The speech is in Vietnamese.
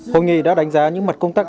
hội nghị đã đánh giá những mặt công tác